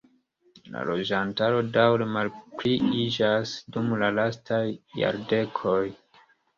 La loĝantaro daŭre malpliiĝas dum la lastaj jardekoj.